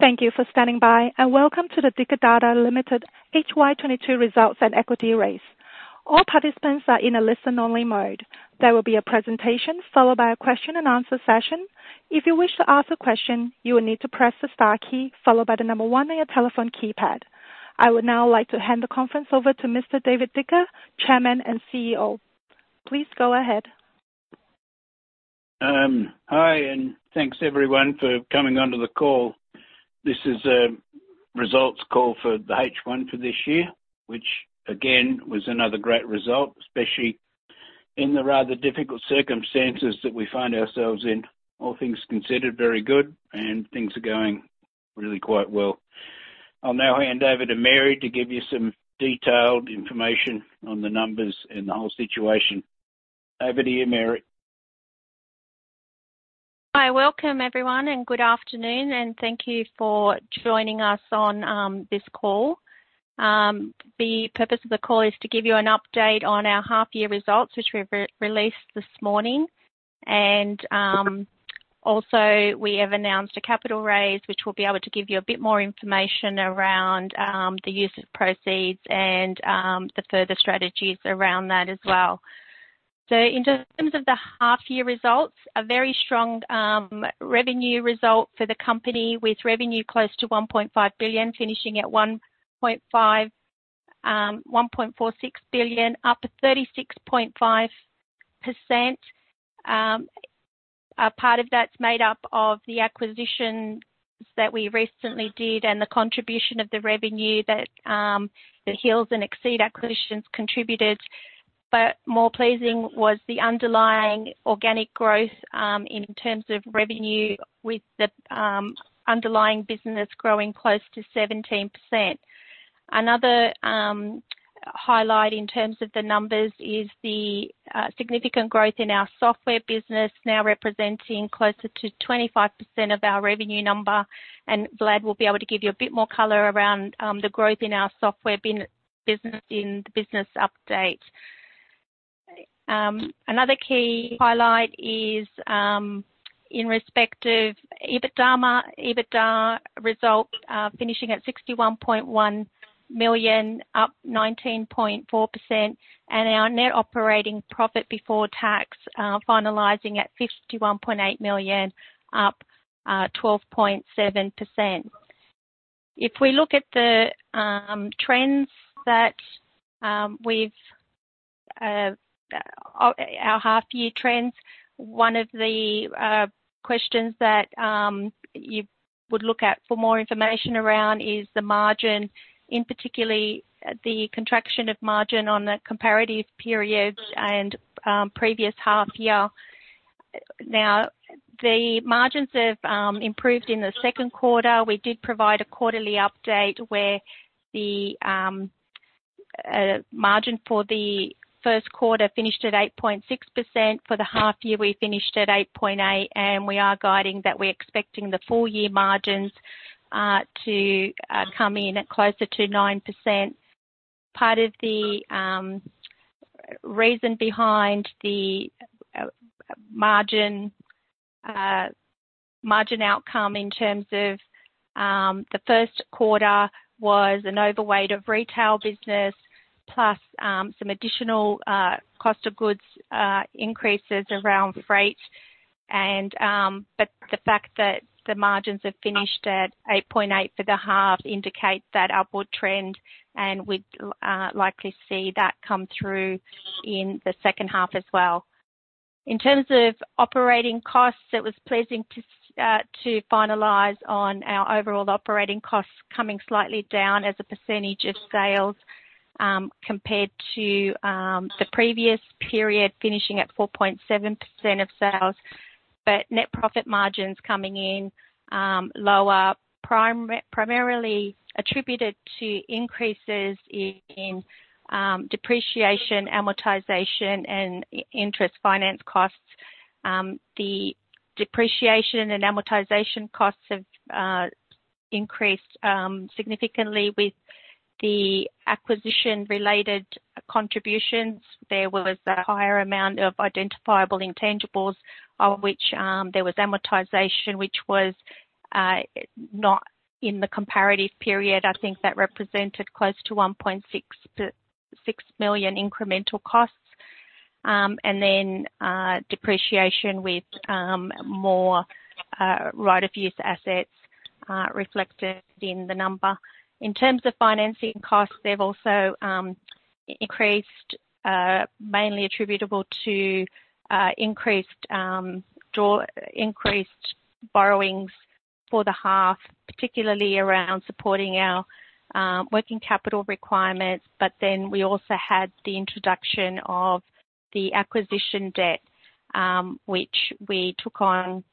Thank you for standing by, and welcome to the Dicker Data Limited HY22 results and equity raise. All participants are in a listen only mode. There will be a presentation followed by a question and answer session. If you wish to ask a question, you will need to press the star key followed by the number one on your telephone keypad. I would now like to hand the conference over to Mr. David Dicker, Chairman and CEO. Please go ahead. Hi and thanks everyone for coming onto the call. This is results call for the H1 for this year, which again, was another great result, especially in the rather difficult circumstances that we find ourselves in. All things considered, very good and things are going really quite well. I'll now hand over to Mary to give you some detailed information on the numbers and the whole situation. Over to you, Mary. Hi. Welcome, everyone, and good afternoon, and thank you for joining us on this call. The purpose of the call is to give you an update on our half year results, which we've released this morning. Also we have announced a capital raise, which we'll be able to give you a bit more information around, the use of proceeds and, the further strategies around that as well. In terms of the half year results, a very strong revenue result for the company, with revenue close to 1.5 billion, finishing at 1.46 billion, up 36.5%. A part of that's made up of the acquisitions that we recently did and the contribution of the revenue that Hills and Exeed acquisitions contributed. More pleasing was the underlying organic growth in terms of revenue, with the underlying business growing close to 17%. Another highlight in terms of the numbers is the significant growth in our software business, now representing closer to 25% of our revenue number. Vlad will be able to give you a bit more color around the growth in our software business in the business update. Another key highlight is in respect of EBITDA result, finishing at 61.1 million, up 19.4%, and our net operating profit before tax finalizing at 51.8 million, up 12.7%. If we look at our half year trends, one of the questions that you would look at for more information around is the margin in particular the contraction of margin on the comparative periods and previous half year. Now, the margins have improved in the second quarter. We did provide a quarterly update where the margin for the first quarter finished at 8.6%. For the half year, we finished at 8.8%, and we are guiding that we're expecting the full year margins to come in at closer to 9%. Part of the reason behind the margin outcome in terms of the first quarter was an overweight of retail business plus some additional cost of goods increases around freight and but the fact that the margins have finished at 8.8 for the half indicate that upward trend, and we'd likely see that come through in the second half as well. In terms of operating costs, it was pleasing to finalize on our overall operating costs coming slightly down as a percentage of sales compared to the previous period, finishing at 4.7% of sales. Net profit margin's coming in lower, primarily attributed to increases in depreciation, amortization, and interest finance costs. The depreciation and amortization costs have increased significantly with the acquisition related contributions. There was a higher amount of identifiable intangibles, of which there was amortization, which was not in the comparative period. I think that represented close to 1.6 million-6 million incremental costs. Depreciation with more right of use assets reflected in the number. In terms of financing costs, they've also increased, mainly attributable to increased borrowings for the half, particularly around supporting our working capital requirements. We also had the introduction of the acquisition debt, which we took on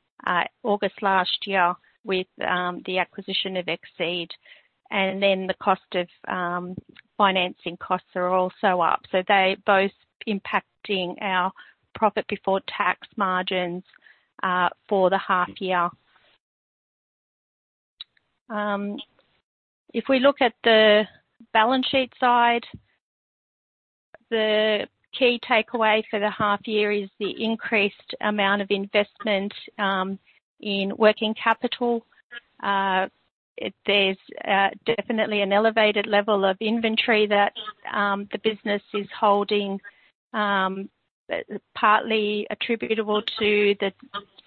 August last year with the acquisition of Exeed. The cost of financing costs are also up. They're both impacting our profit before tax margins for the half year. If we look at the balance sheet side. The key takeaway for the half year is the increased amount of investment in working capital. There's definitely an elevated level of inventory that the business is holding, partly attributable to the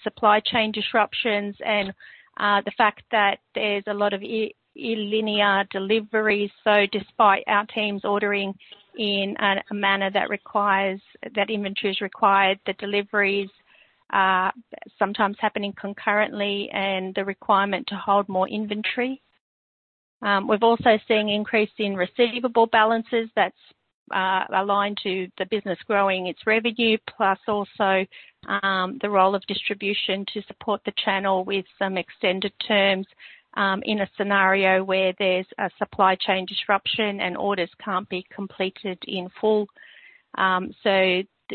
supply chain disruptions and the fact that there's a lot of non-linear deliveries. Despite our teams ordering in a manner that requires that inventory, the deliveries are sometimes happening concurrently and the requirement to hold more inventory. We've also seen increase in receivable balances that's aligned to the business growing its revenue, plus also the role of distribution to support the channel with some extended terms in a scenario where there's a supply chain disruption and orders can't be completed in full.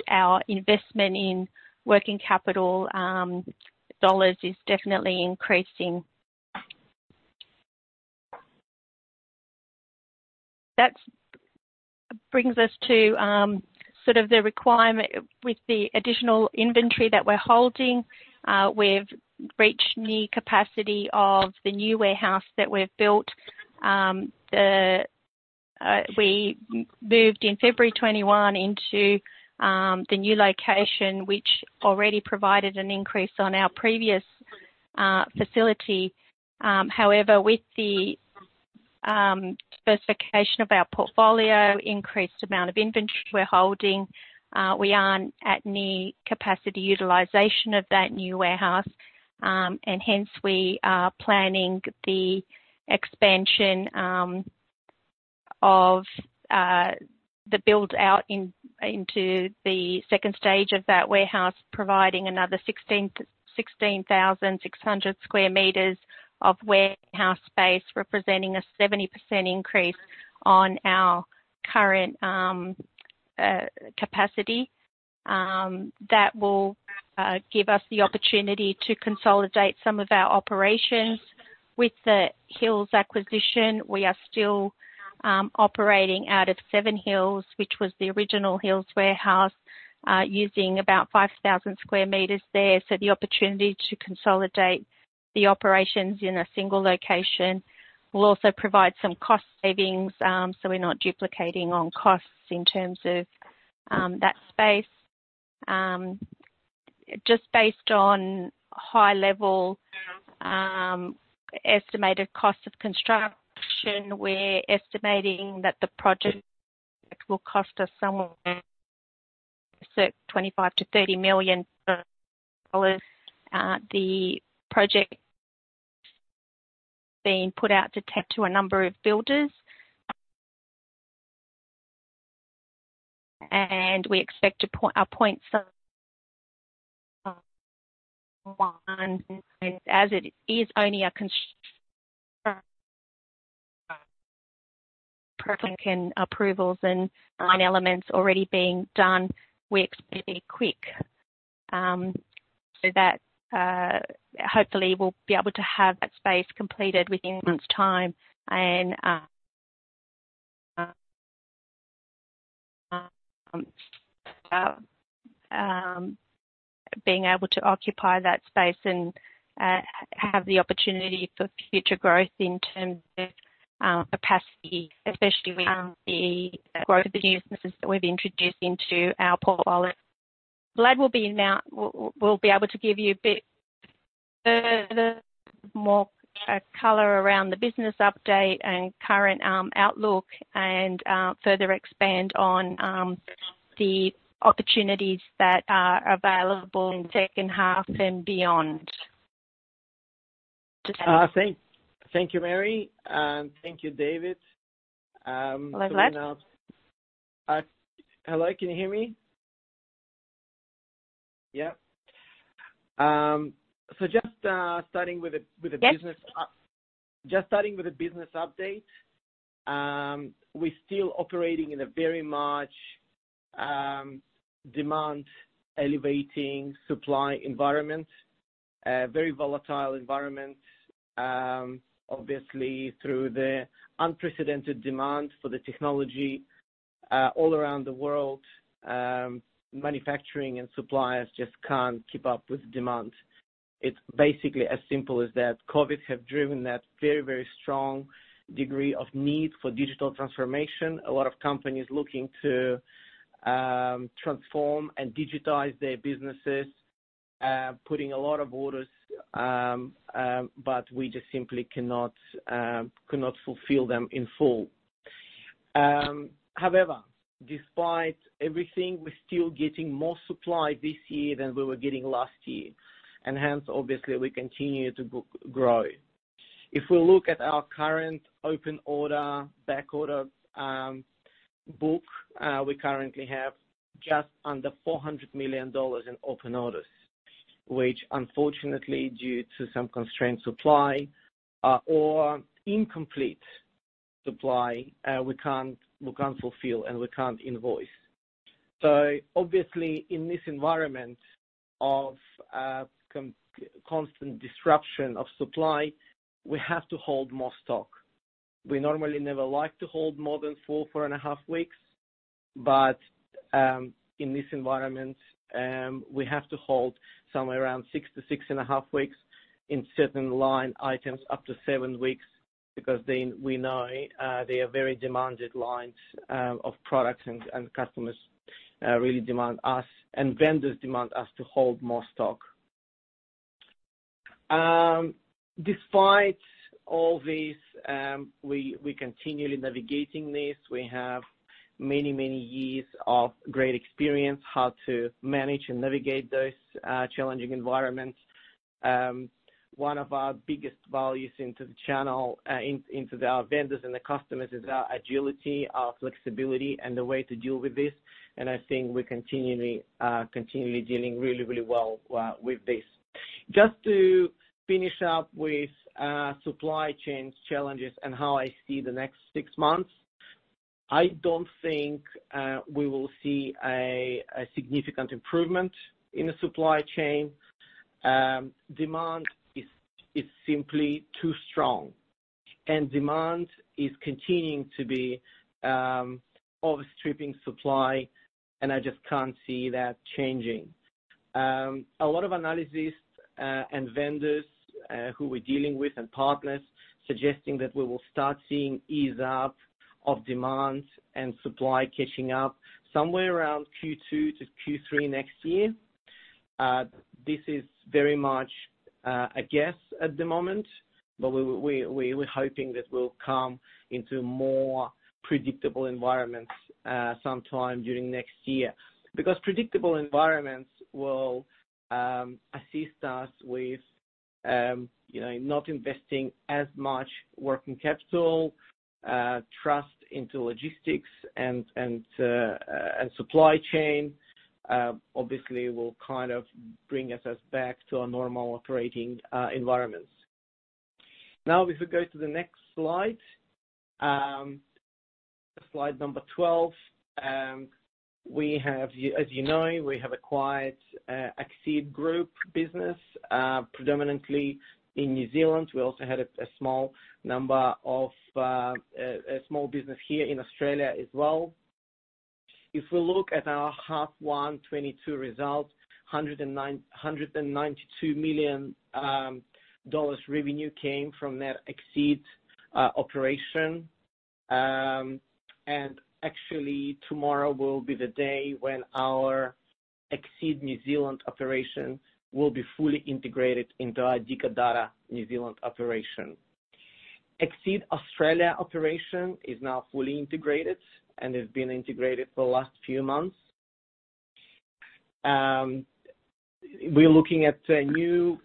Our investment in working capital dollars is definitely increasing. That brings us to sort of the requirement with the additional inventory that we're holding. We've reached near capacity of the new warehouse that we've built. We moved in February 2021 into the new location, which already provided an increase on our previous facility. However, with the specification of our portfolio, increased amount of inventory we're holding, we are at near capacity utilization of that new warehouse. Hence we are planning the expansion of the build out into the second stage of that warehouse, providing another 16,600 sq m of warehouse space, representing a 70% increase on our current capacity. That will give us the opportunity to consolidate some of our operations. With the Hills acquisition, we are still operating out of Seven Hills, which was the original Hills warehouse, using about 5,000 sq m there. The opportunity to consolidate the operations in a single location will also provide some cost savings, so we're not duplicating on costs in terms of that space. Just based on high level estimated cost of construction, we're estimating that the project will cost us somewhere around 25 million-30 million dollars. The project being put out to a number of builders. We expect to appoint, as it is only approvals and minor elements already being done. We expect to be quick. Hopefully we'll be able to have that space completed within a month's time and being able to occupy that space and have the opportunity for future growth in terms of capacity, especially with the growth of businesses that we've introduced into our portfolio. Vlad will be able to give you a bit further, more color around the business update and current outlook and further expand on the opportunities that are available in the second half and beyond. Thank you, Mary. Thank you, David. I'm glad. Hello, can you hear me? Yeah. Just starting with the business. Yes. Just starting with the business update. We're still operating in a very much demand exceeding supply environment, a very volatile environment. Obviously through the unprecedented demand for the technology all around the world, manufacturing and suppliers just can't keep up with demand. It's basically as simple as that. COVID have driven that very, very strong degree of need for digital transformation. A lot of companies looking to transform and digitize their businesses, putting a lot of orders, but we just simply could not fulfill them in full. However, despite everything, we're still getting more supply this year than we were getting last year, and hence obviously we continue to grow. If we look at our current open order, back order, book, we currently have just under 400 million dollars in open orders, which unfortunately due to some constrained supply, or incomplete supply, we can't fulfill and we can't invoice. Obviously in this environment of constant disruption of supply, we have to hold more stock. We normally never like to hold more than 4.5 weeks, but in this environment, we have to hold somewhere around six-6.5 weeks in certain line items, up to seven weeks, because we know they are very in-demand lines of products and customers really demand us and vendors demand us to hold more stock. Despite all this, we continually navigating this. We have many years of great experience how to manage and navigate those challenging environments. One of our biggest value to the channel to our vendors and the customers is our agility, our flexibility, and the way to deal with this. I think we're continually dealing really well with this. Just to finish up with supply chain challenges and how I see the next six months, I don't think we will see a significant improvement in the supply chain. Demand is simply too strong, and demand is continuing to outstrip supply, and I just can't see that changing. A lot of analysts and vendors who we're dealing with and partners suggesting that we will start seeing easing up of demand and supply catching up somewhere around Q2-Q3 next year. This is very much a guess at the moment, but we're hoping that we'll come into more predictable environments sometime during next year. Because predictable environments will assist us with, you know, not investing as much working capital tied up in logistics and supply chain, obviously will kind of bring us back to our normal operating environments. If we go to the next slide. Slide number 12. As you know, we have acquired Exeed Group business predominantly in New Zealand. We also had a small number of small businesses here in Australia as well. If we look at our 1H 2022 results, 192 million dollars revenue came from that Exeed operation. Actually tomorrow will be the day when our Exeed New Zealand operation will be fully integrated into our Dicker Data New Zealand operation. Exeed Australia operation is now fully integrated and has been integrated for the last few months. We're looking at new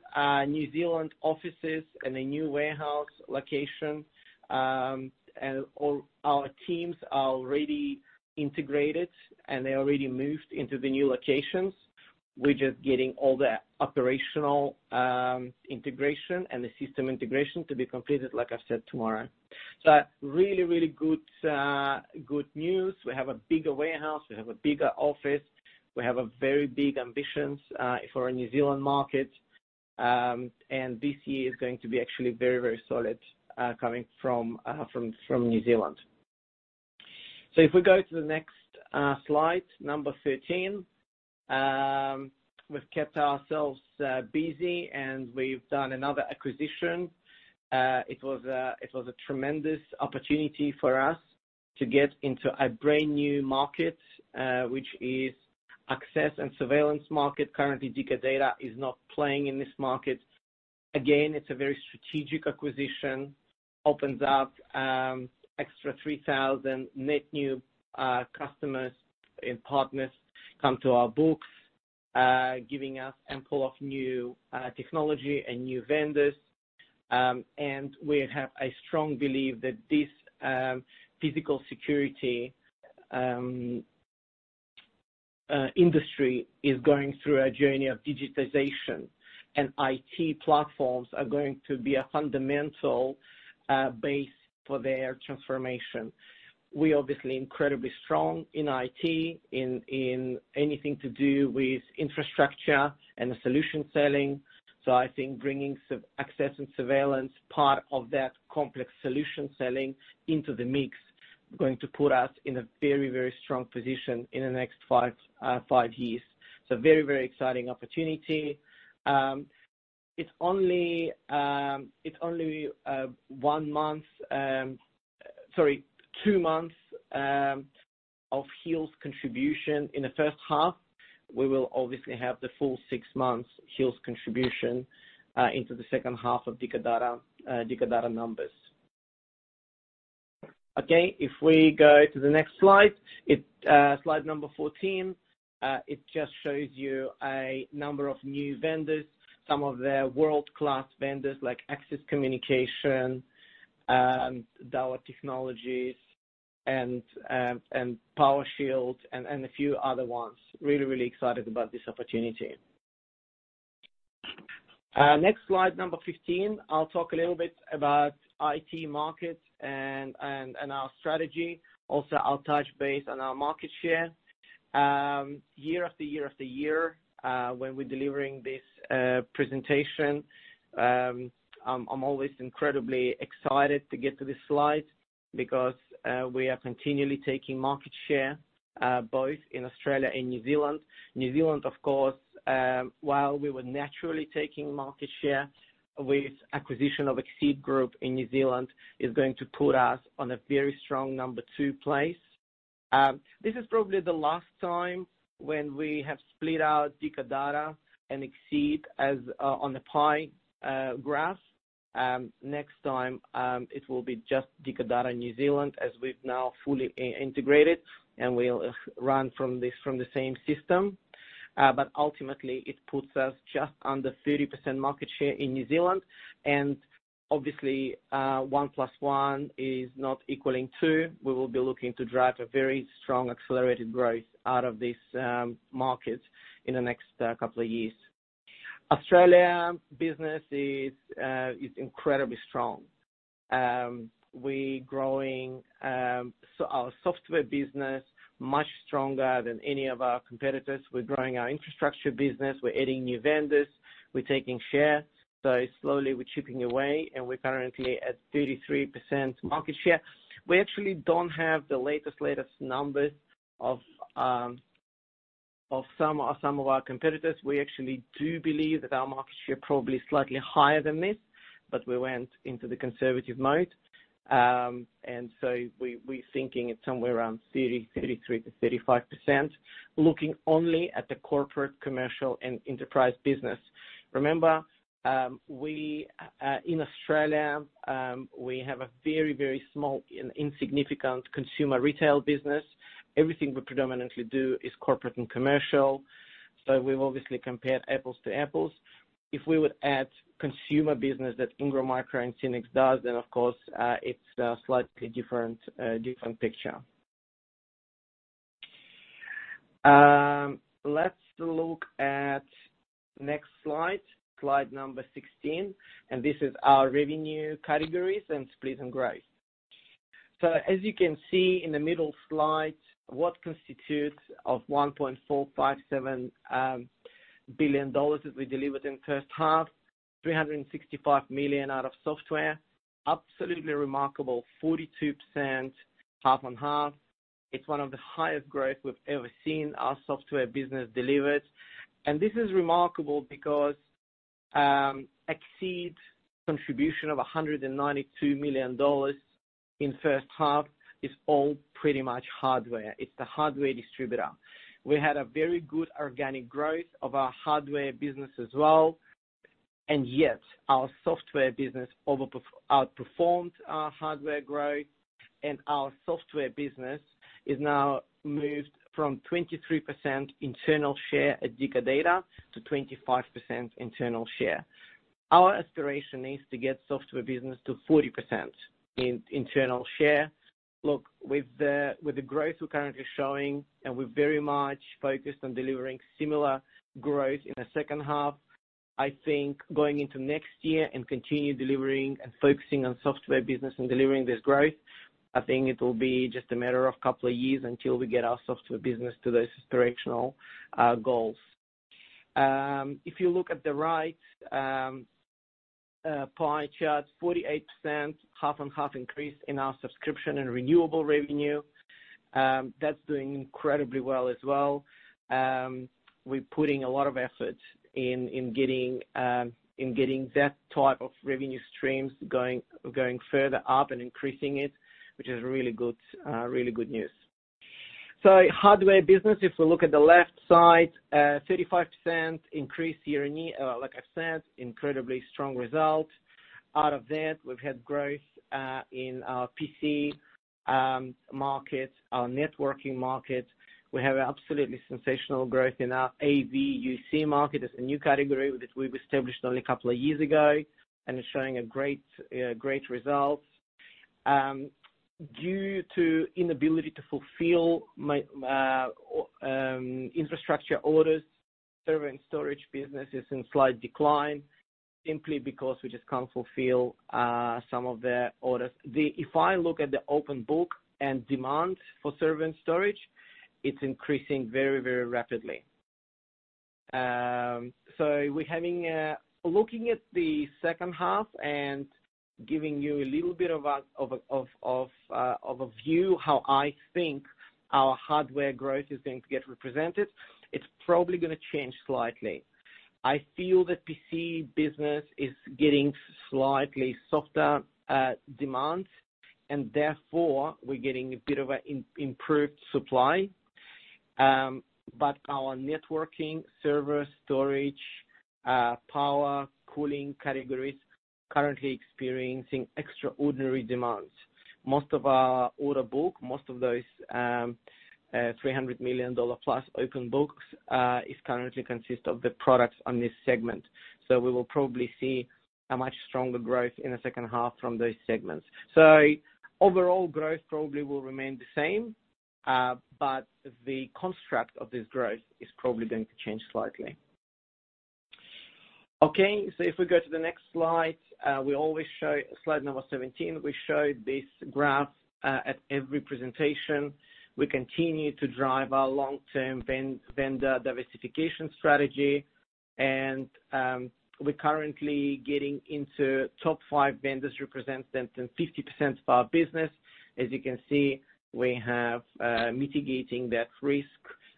New Zealand offices and a new warehouse location, and all our teams are already integrated, and they already moved into the new locations. We're just getting all the operational integration and the system integration to be completed, like I said, tomorrow. Really, really good news. We have a bigger warehouse. We have a bigger office. We have a very big ambitions for our New Zealand market. This year is going to be actually very, very solid coming from New Zealand. If we go to the next slide number 13. We've kept ourselves busy, and we've done another acquisition. It was a tremendous opportunity for us to get into a brand new market, which is access and surveillance market. Currently, Dicker Data is not playing in this market. Again, it's a very strategic acquisition. Opens up extra 3,000 net new customers and partners come to our books, giving us ample of new technology and new vendors. We have a strong belief that this physical security industry is going through a journey of digitization, and IT platforms are going to be a fundamental base for their transformation. We're obviously incredibly strong in IT, in anything to do with infrastructure and the solution selling. I think bringing some access and surveillance part of that complex solution selling into the mix is going to put us in a very, very strong position in the next five years. Very, very exciting opportunity. It's only two months of Hills contribution in the first half. We will obviously have the full six months Hills contribution into the second half of Dicker Data numbers. Okay, if we go to the next slide. Slide number 14 just shows you a number of new vendors. Some of their world-class vendors like Axis Communications, Dahua Technology and PowerShield and a few other ones. Really, really excited about this opportunity. Next slide number 15. I'll talk a little bit about IT market and our strategy. Also, I'll touch base on our market share. Year after year after year, when we're delivering this presentation, I'm always incredibly excited to get to this slide because we are continually taking market share both in Australia and New Zealand. New Zealand, of course, while we were naturally taking market share with acquisition of Exeed Group in New Zealand, is going to put us on a very strong number two place. This is probably the last time when we have split out Dicker Data and Exeed as on the pie graph. Next time, it will be just Dicker Data New Zealand as we've now fully integrated, and we'll run from the same system. Ultimately it puts us just under 30% market share in New Zealand. Obviously, one plus one is not equaling two. We will be looking to drive a very strong accelerated growth out of this market in the next couple of years. Australia business is incredibly strong. We growing so our software business much stronger than any of our competitors. We're growing our infrastructure business. We're adding new vendors. We're taking share. Slowly, we're chipping away and we're currently at 33% market share. We actually don't have the latest numbers of some of our competitors. We actually do believe that our market share probably is slightly higher than this, but we went into the conservative mode. We're thinking it's somewhere around 33%-35%, looking only at the corporate, commercial, and enterprise business. Remember, in Australia, we have a very, very small insignificant consumer retail business. Everything we predominantly do is corporate and commercial, so we've obviously compared apples to apples. If we would add consumer business that Ingram Micro and Synnex does, then of course, it's a slightly different picture. Let's look at next slide number 16. This is our revenue categories and split and growth. As you can see in the middle slide, what constitutes of 1.457 billion dollars that we delivered in first half, 365 million out of software. Absolutely remarkable, 42% half on half. It's one of the highest growth we've ever seen our software business delivered. This is remarkable because Exeed contribution of 192 million dollars in first half is all pretty much hardware. It's a hardware distributor. We had a very good organic growth of our hardware business as well. Our software business outperformed our hardware growth and our software business is now moved from 23% internal share at Dicker Data to 25% internal share. Our aspiration is to get software business to 40% internal share. Look, with the growth we're currently showing, and we're very much focused on delivering similar growth in the second half, I think going into next year and continue delivering and focusing on software business and delivering this growth, I think it will be just a matter of couple of years until we get our software business to those directional goals. If you look at the right pie chart, 48% half on half increase in our subscription and recurring revenue. That's doing incredibly well as well. We're putting a lot of effort in getting that type of revenue streams going further up and increasing it, which is really good news. Hardware business, if we look at the left side, 35% increase year-on-year, like I've said, incredibly strong results. Out of that, we've had growth in our PC market, our networking market. We have absolutely sensational growth in our AV/UC market. It's a new category that we've established only a couple of years ago, and it's showing great results. Due to inability to fulfill infrastructure orders, server and storage business is in slight decline simply because we just can't fulfill some of the orders. If I look at the open book and demand for server and storage, it's increasing very, very rapidly. Looking at the second half and giving you a little bit of a view how I think our hardware growth is going to get represented, it's probably gonna change slightly. I feel the PC business is getting slightly softer demand, and therefore we're getting a bit of an improved supply. But our networking server storage, power, cooling categories currently experiencing extraordinary demands. Most of our order book, most of those, 300 million dollar-plus open books, is currently consist of the products on this segment. We will probably see a much stronger growth in the second half from those segments. Overall growth probably will remain the same. The construct of this growth is probably going to change slightly. If we go to the next slide, we always show slide number 17. We show this graph at every presentation. We continue to drive our long-term vendor diversification strategy. We're currently getting into top five vendors who represent 50% of our business. As you can see, we have mitigating that risk,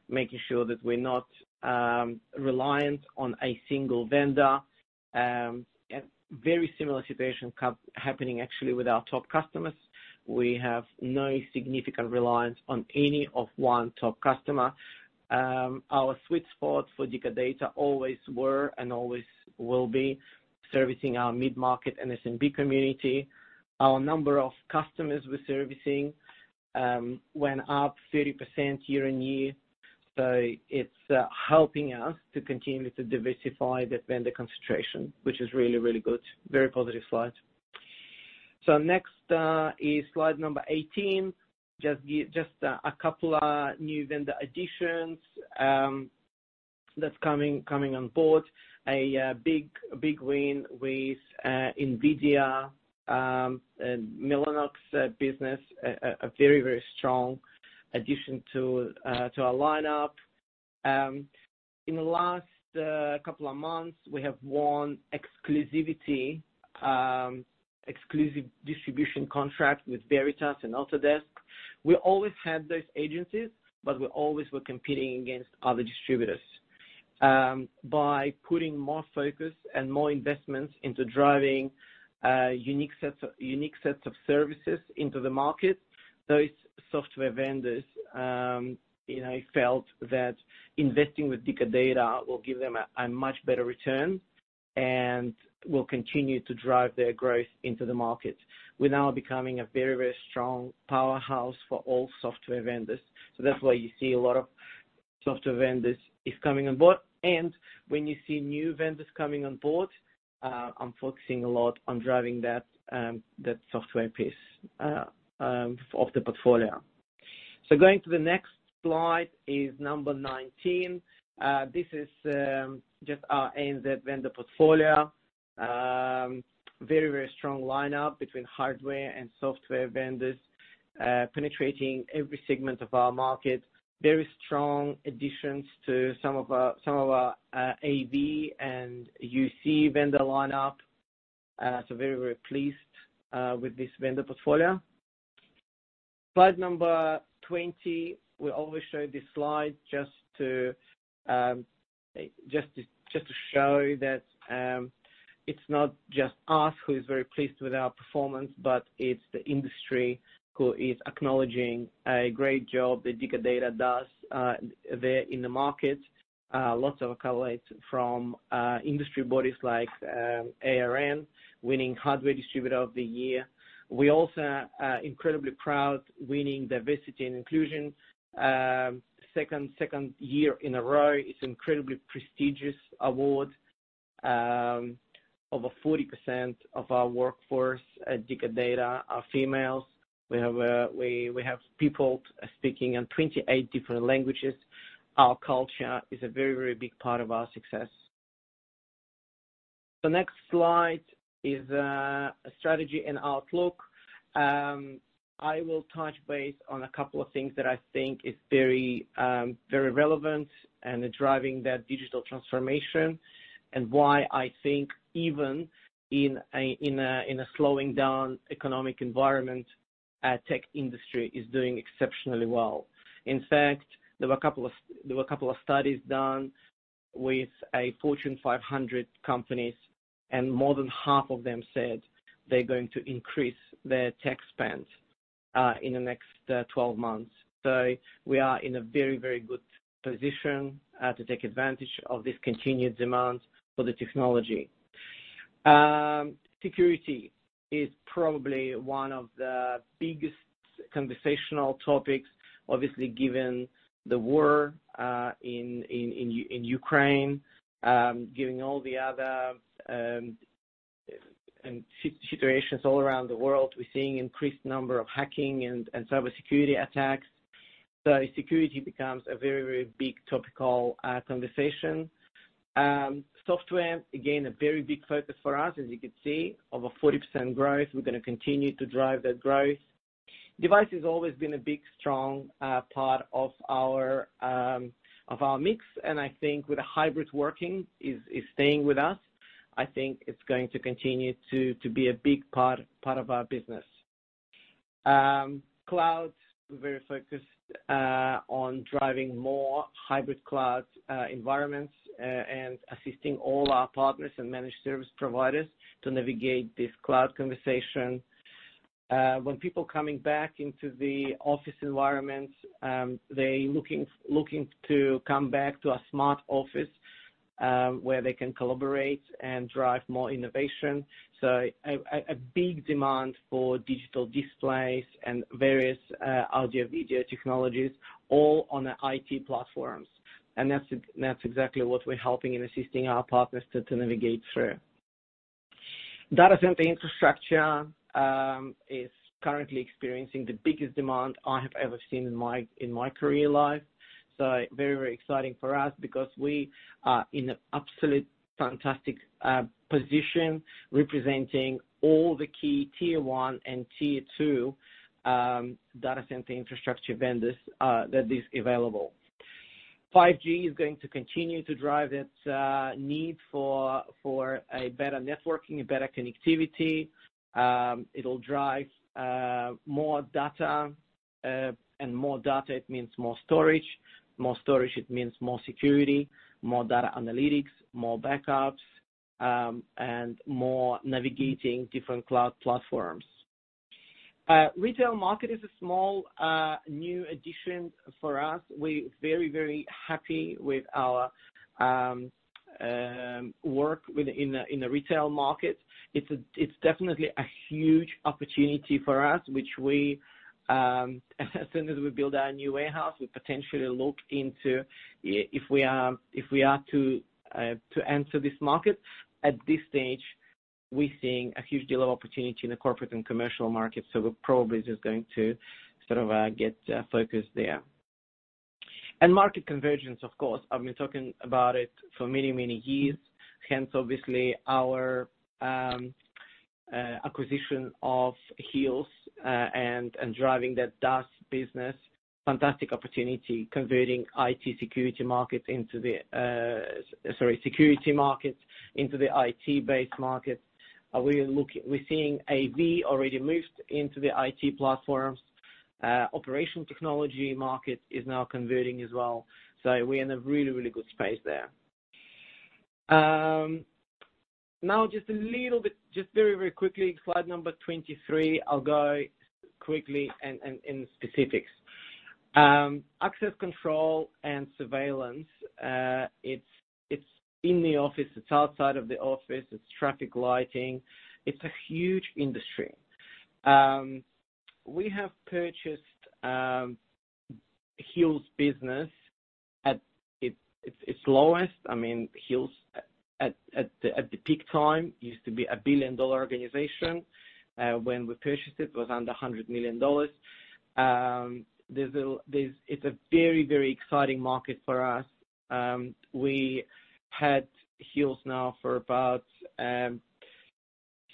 making sure that we're not reliant on a single vendor. A very similar situation happening actually with our top customers. We have no significant reliance on any one top customer. Our sweet spot for Dicker Data always were and always will be servicing our mid-market and SMB community. Our number of customers we're servicing went up 30% year-on-year. It's helping us to continue to diversify that vendor concentration, which is really good. Very positive slide. Next is slide number 18. Just a couple of new vendor additions that's coming on board. A big win with NVIDIA and Mellanox business, a very strong addition to our lineup. In the last couple of months, we have won an exclusive distribution contract with Veritas and Autodesk. We always had those agencies, but we always were competing against other distributors. By putting more focus and more investments into driving unique sets of services into the market, those software vendors, you know, felt that investing with Dicker Data will give them a much better return and will continue to drive their growth into the market. We're now becoming a very, very strong powerhouse for all software vendors. That's why you see a lot of software vendors is coming on board. When you see new vendors coming on board, I'm focusing a lot on driving that software piece of the portfolio. Going to the next slide is number 19. This is just our ANZ vendor portfolio. Very, very strong lineup between hardware and software vendors, penetrating every segment of our market. Very strong additions to some of our AV and UC vendor lineup. Very pleased with this vendor portfolio. Slide number 20. We always show this slide just to show that it's not just us who is very pleased with our performance, but it's the industry who is acknowledging a great job that Dicker Data does in the market. Lots of accolades from industry bodies like ARN, winning Hardware Distributor of the Year. We also are incredibly proud winning Diversity and Inclusion second year in a row. It's incredibly prestigious award. Over 40% of our workforce at Dicker Data are females. We have people speaking in 28 different languages. Our culture is a very big part of our success. The next slide is strategy and outlook. I will touch base on a couple of things that I think is very relevant and driving that digital transformation, and why I think even in a slowing down economic environment, our tech industry is doing exceptionally well. In fact, there were a couple of studies done with a Fortune 500 companies, and more than half of them said they're going to increase their tech spend in the next 12 months. We are in a very, very good position to take advantage of this continued demand for the technology. Security is probably one of the biggest conversational topics, obviously, given the war in Ukraine, given all the other situations all around the world. We're seeing increased number of hacking and cybersecurity attacks. Security becomes a very big topical conversation. Software, again, a very big focus for us. As you can see, over 40% growth. We're gonna continue to drive that growth. Device has always been a big, strong part of our mix. I think with the hybrid working is staying with us. I think it's going to continue to be a big part of our business. Cloud, we're very focused on driving more hybrid cloud environments and assisting all our partners and managed service providers to navigate this cloud conversation. When people coming back into the office environment, they're looking to come back to a smart office where they can collaborate and drive more innovation. A big demand for digital displays and various audio-video technologies all on the IT platforms. That's exactly what we're helping and assisting our partners to navigate through. Data center infrastructure is currently experiencing the biggest demand I have ever seen in my career life. Very exciting for us because we are in an absolute fantastic position representing all the key tier one and tier two data center infrastructure vendors that is available. 5G is going to continue to drive its need for a better networking, a better connectivity. It'll drive more data. And more data, it means more storage. More storage, it means more security, more data analytics, more backups, and more navigating different cloud platforms. Retail market is a small new addition for us. We're very happy with our work within the retail market. It's definitely a huge opportunity for us, which we, as soon as we build our new warehouse, we potentially look into if we are to enter this market. At this stage, we're seeing a huge degree of opportunity in the corporate and commercial market, so we're probably just going to sort of get focused there. Market convergence, of course. I've been talking about it for many years. Hence, obviously, our acquisition of Hills and driving that DaaS business. Fantastic opportunity converting the security market into the IT-based market. We're seeing AV already moved into the IT platforms. Operational technology market is now converting as well. We're in a really good space there. Now just a little bit, just very quickly, slide number 23. I'll go quickly and in specifics. Access control and surveillance, it's in the office, it's outside of the office, it's traffic lighting. It's a huge industry. We have purchased Hills business at its lowest. I mean, Hills at the peak time used to be a billion-dollar organization. When we purchased it was under 100 million dollars. It's a very exciting market for us. We had Hills now for about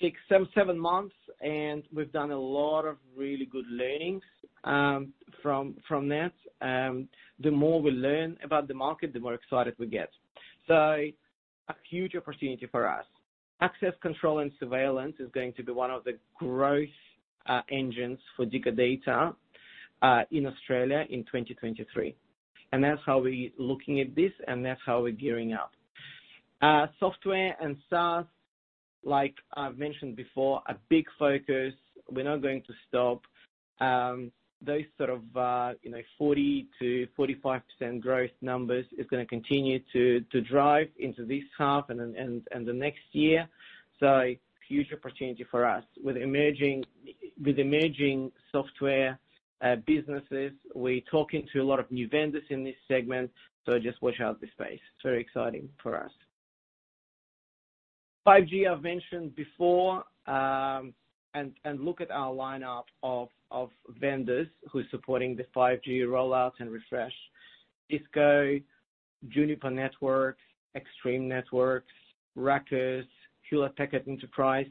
six, seven months, and we've done a lot of really good learnings from that. The more we learn about the market, the more excited we get. A huge opportunity for us. Access control and surveillance is going to be one of the growth engines for Dicker Data in Australia in 2023. That's how we looking at this, and that's how we're gearing up. Software and SaaS, like I've mentioned before, a big focus. We're not going to stop. Those sort of, you know, 40%-45% growth numbers is gonna continue to drive into this half and then and the next year. Huge opportunity for us. With emerging software businesses, we're talking to a lot of new vendors in this segment, so just watch this space. It's very exciting for us. 5G, I've mentioned before, and look at our lineup of vendors who are supporting the 5G rollout and refresh. Cisco, Juniper Networks, Extreme Networks, Ruckus, Hewlett Packard Enterprise,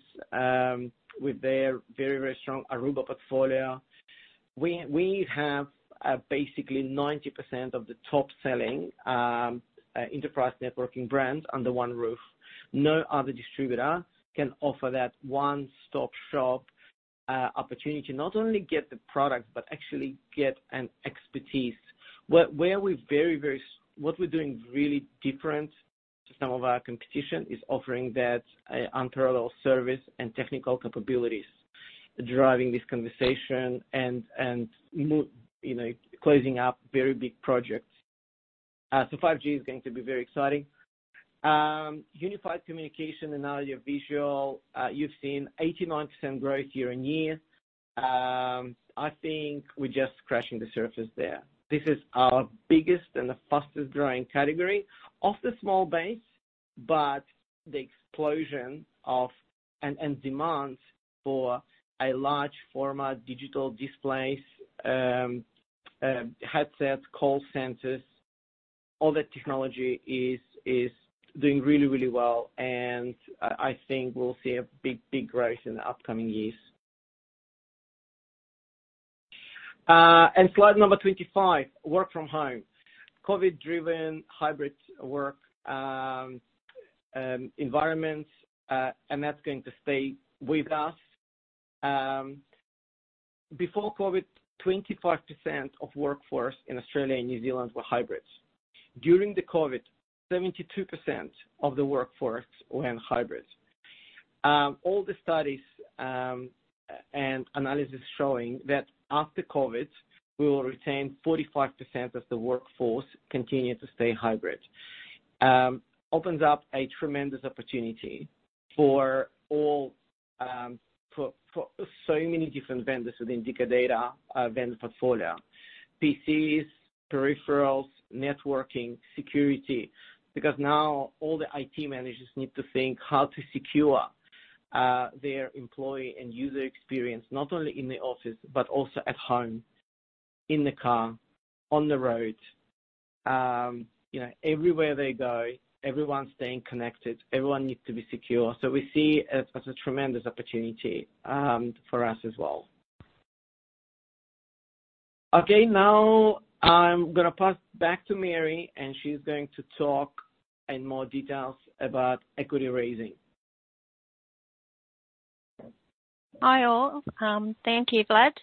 with their very strong Aruba portfolio. We have basically 90% of the top-selling enterprise networking brands under one roof. No other distributor can offer that one-stop shop opportunity. Not only get the product, but actually get an expertise. What we're doing really different to some of our competition is offering that unparalleled service and technical capabilities, driving this conversation and you know, closing up very big projects. 5G is going to be very exciting. Unified communication and audio visual, you've seen 89% growth year on year. I think we're just scratching the surface there. This is our biggest and the fastest-growing category. From a small base, the explosion of demand for large format digital displays, headsets, call centers, all that technology is doing really well. I think we'll see a big growth in the upcoming years. Slide number 25, work from home. COVID-driven hybrid work environments, and that's going to stay with us. Before COVID, 25% of the workforce in Australia and New Zealand were hybrids. During COVID, 72% of the workforce went hybrid. All the studies and analysis showing that after COVID, we will retain 45% of the workforce continue to stay hybrid. Opens up a tremendous opportunity for so many different vendors within Dicker Data vendor portfolio. PCs, peripherals, networking, security. Because now all the IT managers need to think how to secure their employee and user experience, not only in the office but also at home, in the car, on the road. You know, everywhere they go, everyone staying connected, everyone needs to be secure. We see it as a tremendous opportunity for us as well. Okay, now I'm gonna pass back to Mary, and she's going to talk in more details about equity raising. Hi, all. Thank you, Vlad.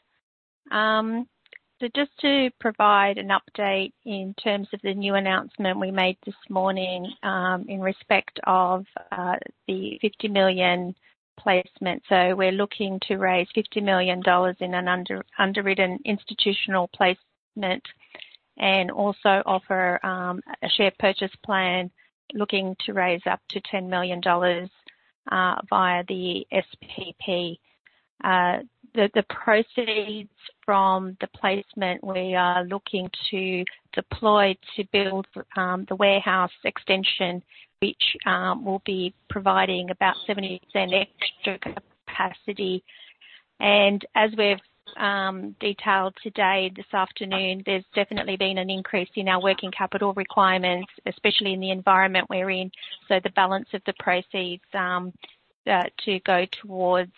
Just to provide an update in terms of the new announcement we made this morning, in respect of the 50 million placement. We're looking to raise 50 million dollars in an underwritten institutional placement and also offer a share purchase plan looking to raise up to 10 million dollars via the SPP. The proceeds from the placement we are looking to deploy to build the warehouse extension, which will be providing about 70% extra capacity. As we've detailed today, this afternoon, there's definitely been an increase in our working capital requirements, especially in the environment we're in, so the balance of the proceeds to go towards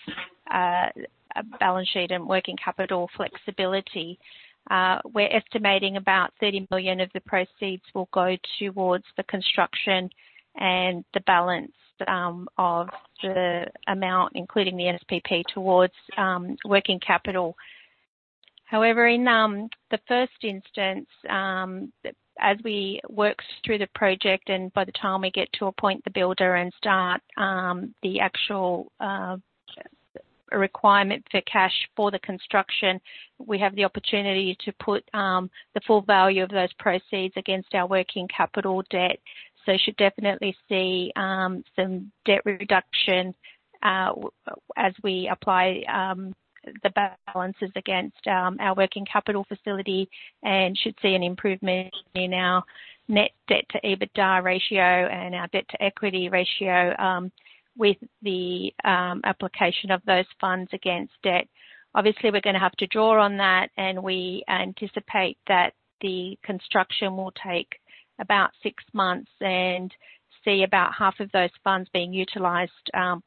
balance sheet and working capital flexibility. We're estimating about 30 million of the proceeds will go towards the construction and the balance of the amount, including the NSPP towards working capital. However, in the first instance, as we work through the project and by the time we get to appoint the builder and start the actual requirement for cash for the construction, we have the opportunity to put the full value of those proceeds against our working capital debt. Should definitely see some debt reduction as we apply the balances against our working capital facility and should see an improvement in our net debt to EBITDA ratio and our debt to equity ratio with the application of those funds against debt. Obviously, we're gonna have to draw on that, and we anticipate that the construction will take about six months and see about half of those funds being utilized,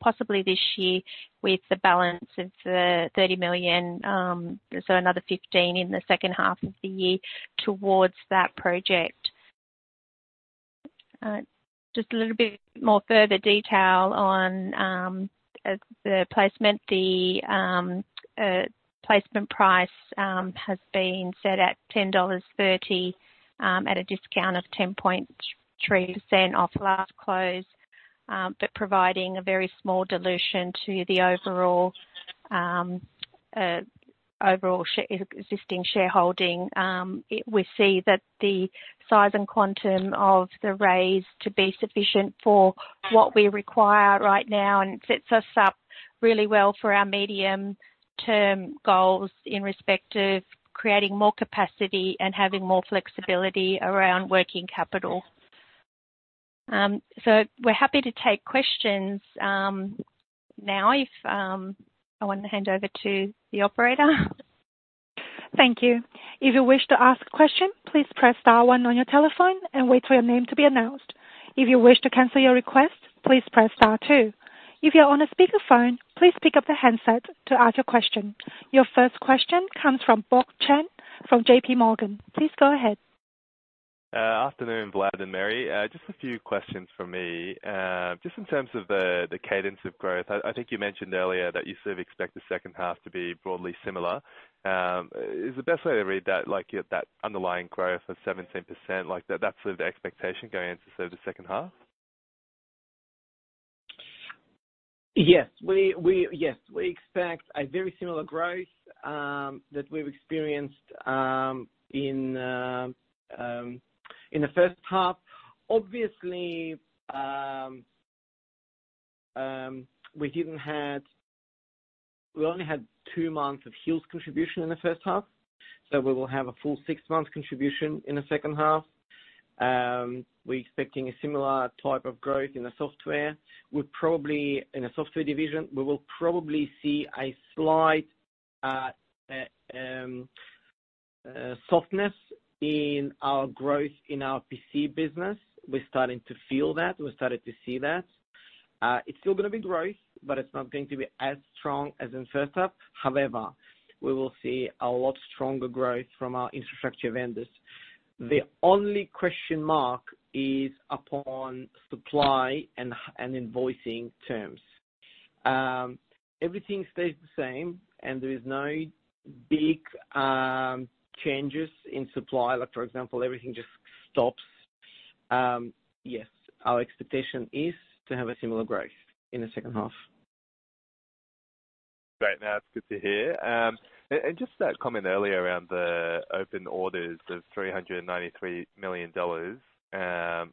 possibly this year with the balance of the 30 million, so another 15 million in the second half of the year towards that project. Just a little bit more further detail on the placement. The placement price has been set at 10.30 dollars at a discount of 10.3% off last close, but providing a very small dilution to the overall existing shareholding. We see that the size and quantum of the raise to be sufficient for what we require right now and sets us up really well for our medium-term goals in respect of creating more capacity and having more flexibility around working capital. We're happy to take questions now if I want to hand over to the operator. Thank you. If you wish to ask a question, please press star one on your telephone and wait for your name to be announced. If you wish to cancel your request, please press star two. If you're on a speaker phone, please pick up the handset to ask your question. Your first question comes from Bob Chang from JPMorgan. Please go ahead. Afternoon, Vlad and Mary. Just a few questions from me. Just in terms of the cadence of growth. I think you mentioned earlier that you sort of expect the second half to be broadly similar. Is the best way to read that, like that underlying growth of 17%, like that's sort of the expectation going into sort of the second half? Yes. We expect a very similar growth that we've experienced in the first half. Obviously, we only had two months of Hills contribution in the first half, so we will have a full six months contribution in the second half. We're expecting a similar type of growth in the software. We're probably, in the software division, we will probably see a slight softness in our growth in our PC business. We're starting to feel that. We started to see that. It's still gonna be growth, but it's not going to be as strong as in first half. However, we will see a lot stronger growth from our infrastructure vendors. The only question mark is upon supply and invoicing terms. Everything stays the same, and there is no big changes in supply. Like, for example, everything just stops. Yes, our expectation is to have a similar growth in the second half. Great. That's good to hear. Just that comment earlier around the open orders of 393 million dollars,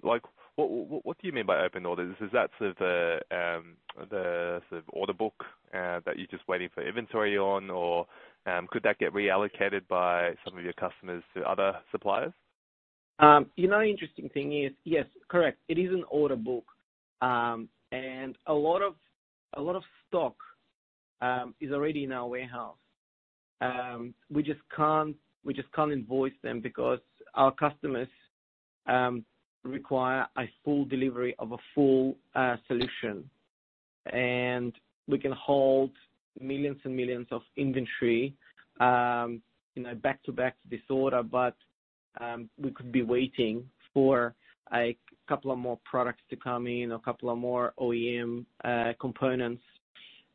like, what do you mean by open orders? Is that sort of the order book that you're just waiting for inventory on? Or, could that get reallocated by some of your customers to other suppliers? You know, interesting thing is, yes, correct. It is an order book. A lot of stock is already in our warehouse. We just can't invoice them because our customers require a full delivery of a full solution. We can hold millions and millions of inventory, you know, back-to-back to this order. We could be waiting for a couple of more products to come in, a couple of more OEM components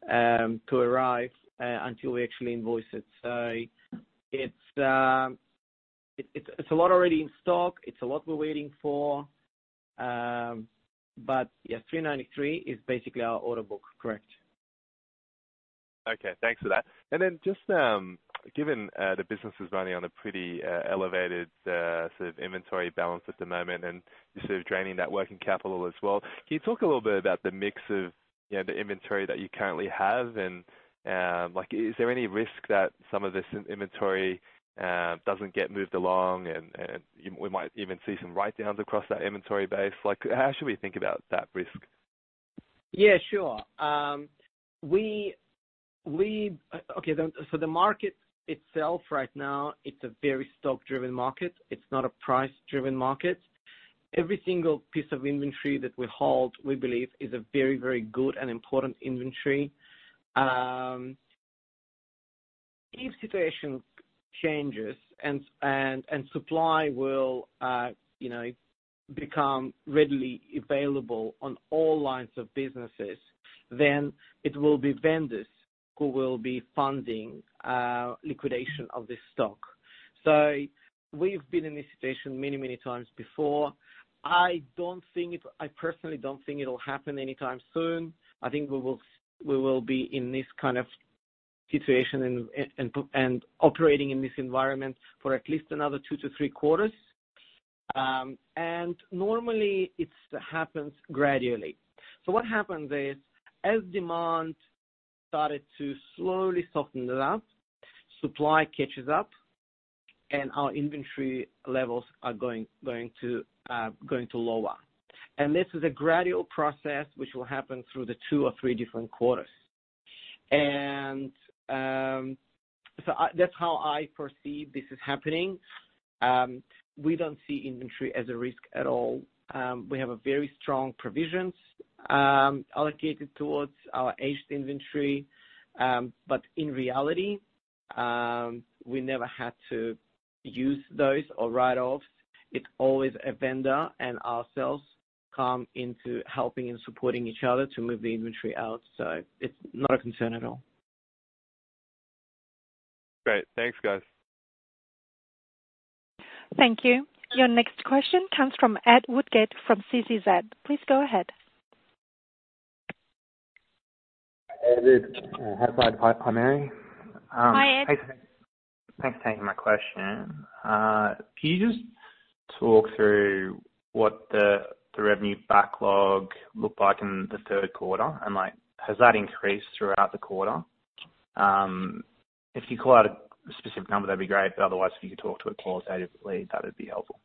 to arrive until we actually invoice it. It's a lot already in stock. It's a lot we're waiting for. Yes, 393 is basically our order book. Correct. Okay, thanks for that. Just, given the business is running on a pretty elevated sort of inventory balance at the moment and just sort of draining that working capital as well, can you talk a little bit about the mix of, you know, the inventory that you currently have? Like, is there any risk that some of this inventory doesn't get moved along and we might even see some write-downs across that inventory base? Like, how should we think about that risk? Yeah, sure. Okay, for the market itself right now, it's a very stock-driven market. It's not a price-driven market. Every single piece of inventory that we hold, we believe is a very, very good and important inventory. If situation changes and supply will, you know, become readily available on all lines of businesses, then it will be vendors who will be funding liquidation of this stock. We've been in this situation many, many times before. I don't think it. I personally don't think it'll happen anytime soon. I think we will be in this kind of situation and operating in this environment for at least another two-three quarters. Normally it happens gradually. What happens is, as demand started to slowly soften it up, supply catches up and our inventory levels are going to lower. This is a gradual process which will happen through the two or three different quarters. That's how I foresee this is happening. We don't see inventory as a risk at all. We have a very strong provisions allocated towards our aged inventory. But in reality, we never had to use those or write off. It's always a vendor and ourselves come into helping and supporting each other to move the inventory out. It's not a concern at all. Great. Thanks, guys. Thank you. Your next question comes from Ed Woodgate from CCZ. Please go ahead. Ed, it's Hi, Mary. Hi, Ed. Thanks for taking my question. Can you just talk through what the revenue backlog looked like in the third quarter and like, has that increased throughout the quarter? If you call out a specific number, that'd be great. Otherwise if you could talk to it qualitatively, that would be helpful.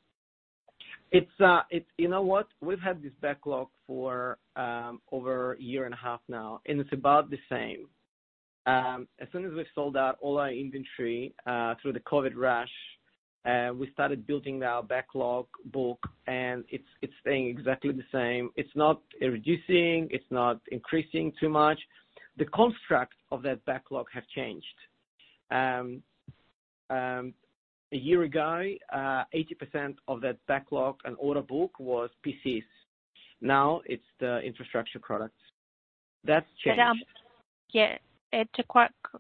You know what? We've had this backlog for over a year and a half now, and it's about the same. As soon as we sold out all our inventory through the COVID rush, we started building our backlog book, and it's staying exactly the same. It's not reducing, it's not increasing too much. The construct of that backlog have changed. A year ago, 80% of that backlog and order book was PCs. Now it's the infrastructure products. That's changed. Yeah. Ed, to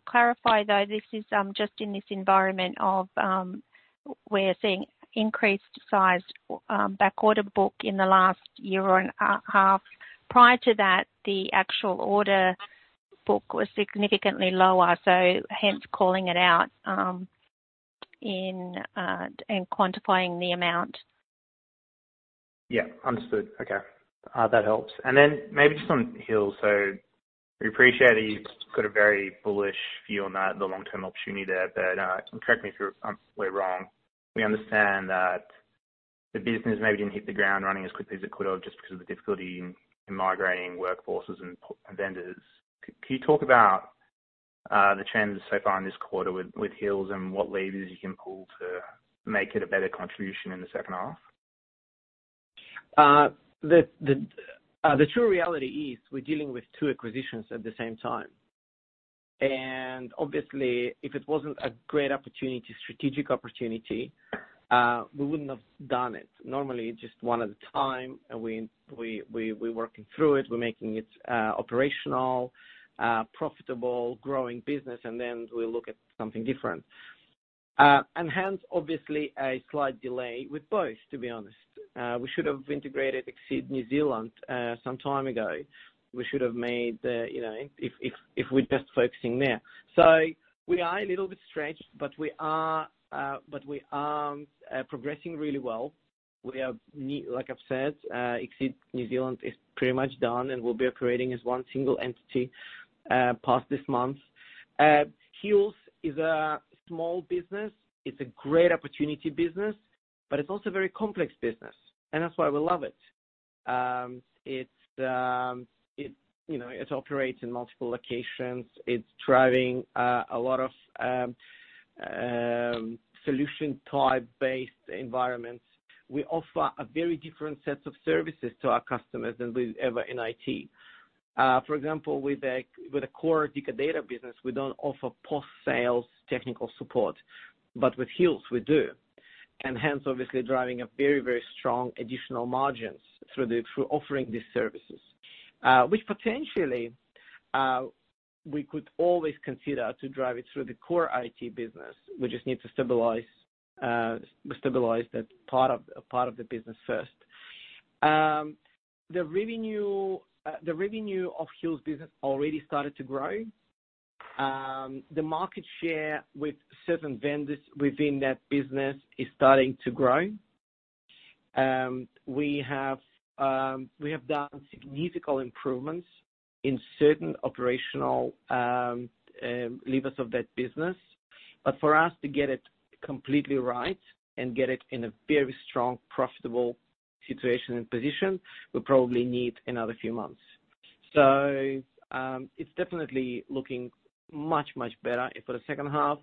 clarify, though, this is just in this environment of we're seeing increased size backlog book in the last year and a half. Prior to that, the actual order book was significantly lower, so hence calling it out in quantifying the amount. Yeah, understood. Okay. That helps. Maybe just on Hills. We appreciate that you've got a very bullish view on that, the long-term opportunity there. Correct me if I'm way wrong, we understand that the business maybe didn't hit the ground running as quickly as it could have just because of the difficulty in migrating workforces and vendors. Can you talk about the trends so far in this quarter with Hills and what levers you can pull to make it a better contribution in the second half? The true reality is we're dealing with two acquisitions at the same time. Obviously, if it wasn't a great opportunity, strategic opportunity, we wouldn't have done it. Normally, just one at a time and we're working through it. We're making it operational, profitable, growing business, and then we look at something different. Hence obviously a slight delay with both to be honest. We should have integrated Exeed New Zealand some time ago. We should have made the, you know, if we're just focusing there. We are a little bit stretched, but we are progressing really well. Like I've said, Exeed New Zealand is pretty much done, and we'll be operating as one single entity past this month. Hills is a small business. It's a great opportunity business, but it's also a very complex business, and that's why we love it. It's, you know, it operates in multiple locations. It's driving a lot of solution type-based environments. We offer a very different sets of services to our customers than we ever in IT. For example, with a core Dicker Data business, we don't offer post-sales technical support. But with Hills, we do. Hence obviously driving a very, very strong additional margins through offering these services. Which potentially we could always consider to drive it through the core IT business. We just need to stabilize that part of the business first. The revenue of Hills business already started to grow. The market share with certain vendors within that business is starting to grow. We have done significant improvements in certain operational levers of that business. For us to get it completely right and get it in a very strong, profitable situation and position, we'll probably need another few months. It's definitely looking much, much better for the second half.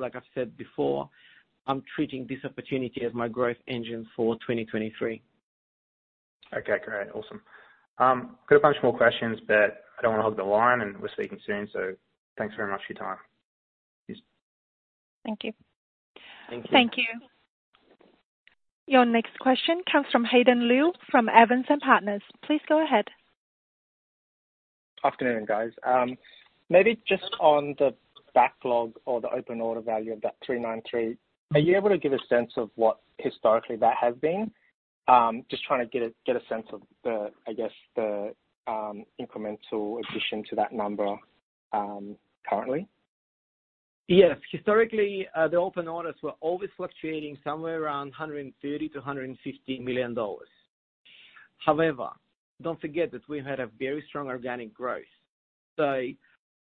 Like I said before, I'm treating this opportunity as my growth engine for 2023. Okay, great. Awesome. Got a bunch more questions, but I don't wanna hold the line, and we're speaking soon, so thanks very much for your time. Yes. Thank you. Thank you. Thank you. Your next question comes from Hayden Liu from Evans and Partners. Please go ahead. Afternoon, guys. Maybe just on the backlog or the open order value of that 393, are you able to give a sense of what historically that has been? Just trying to get a sense of the, I guess, the incremental addition to that number, currently. Yes. Historically, the open orders were always fluctuating somewhere around 130 million-150 million dollars. However, don't forget that we had a very strong organic growth.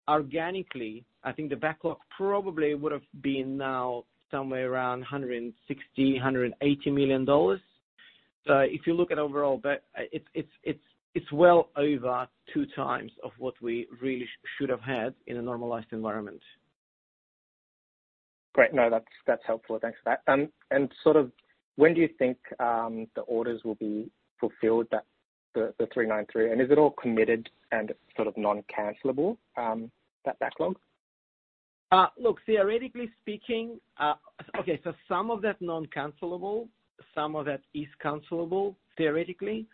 Organically, I think the backlog probably would've been now somewhere around 160 million-180 million dollars. If you look at overall backlog, it's well over two times of what we should have had in a normalized environment. Great. No, that's helpful. Thanks for that. Sort of when do you think the orders will be fulfilled that the 393? Is it all committed and sort of non-cancelable that backlog? Look, theoretically speaking, okay, some of that's non-cancelable, some of that is cancelable, theoretically.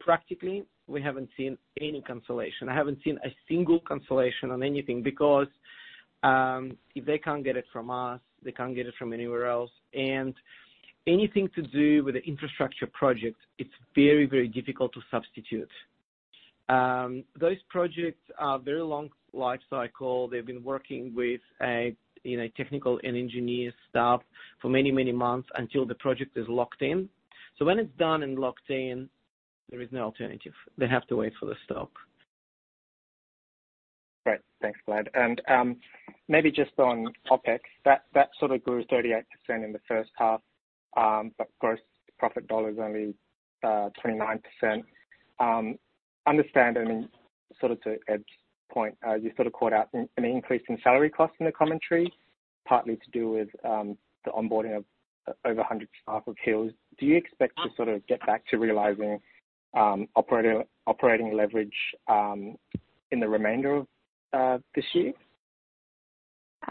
Practically, we haven't seen any cancellation. I haven't seen a single cancellation on anything because if they can't get it from us, they can't get it from anywhere else. Anything to do with the infrastructure project, it's very, very difficult to substitute. Those projects are very long lifecycle. They've been working with, you know, technical and engineering staff for many, many months until the project is locked in. When it's done and locked in, there is no alternative. They have to wait for the stock. Great. Thanks, Vlad. Maybe just on OpEx, that sort of grew 38% in the first half, but gross profit dollar is only 29%. Understand, I mean, sort of to Ed's point, you sort of called out an increase in salary costs in the commentary, partly to do with the onboarding of over 100 staff with Hills. Do you expect to sort of get back to realizing operating leverage in the remainder of this year?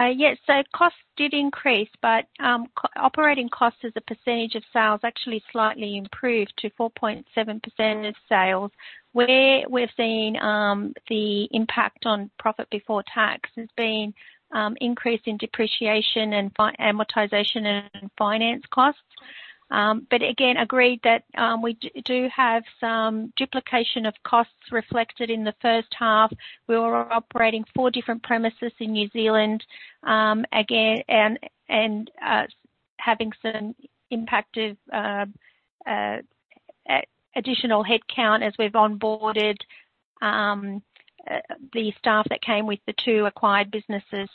Yes. Costs did increase, but operating cost as a percentage of sales actually slightly improved to 4.7% of sales. Where we've seen the impact on profit before tax has been increase in depreciation and amortization and finance costs. But again, agreed that we do have some duplication of costs reflected in the first half. We were operating four different premises in New Zealand, again and having some impact of additional headcount as we've onboarded the staff that came with the two acquired businesses.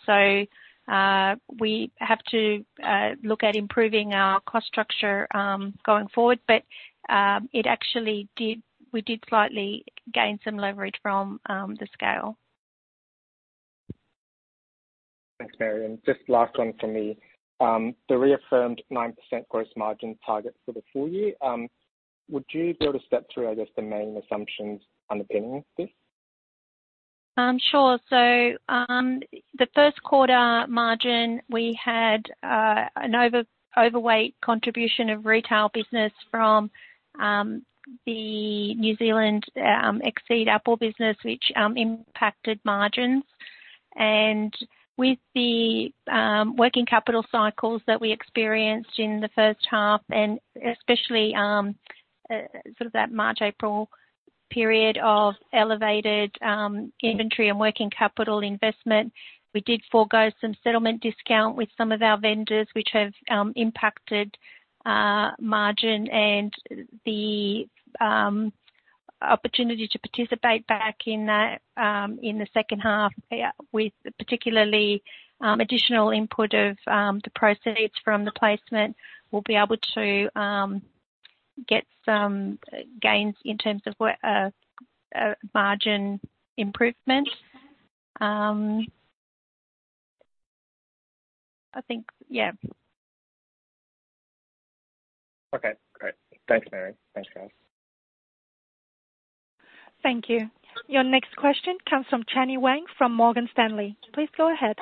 We have to look at improving our cost structure going forward. It actually did. We did slightly gain some leverage from the scale. Thanks, Mary. Just last one for me. The reaffirmed 9% gross margin target for the full year, would you be able to step through, I guess, the main assumptions underpinning this? Sure. The first quarter margin, we had an overweight contribution of retail business from the New Zealand Exeed Apple business, which impacted margins. With the working capital cycles that we experienced in the first half, and especially sort of that March, April period of elevated inventory and working capital investment, we did forego some settlement discount with some of our vendors, which have impacted margin and the opportunity to participate back in that in the second half with particularly additional input of the proceeds from the placement, we'll be able to get some gains in terms of what margin improvement. I think, yeah. Okay, great. Thanks, Mary. Thanks, guys. Thank you. Your next question comes from Chenny Wang from Morgan Stanley. Please go ahead.